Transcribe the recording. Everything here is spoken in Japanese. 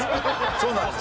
そうなんです。